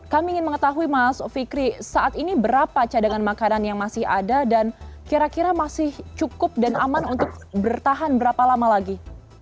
kami ingin mengetahui mas fikri saat ini berapa cadangan makanan yang masih ada dan kira kira masih cukup dan aman untuk bertahan berapa lama lagi